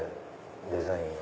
デザインが。